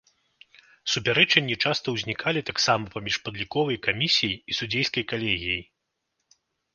Супярэчанні часта ўзнікалі таксама паміж падліковай камісіяй і судзейскай калегіяй.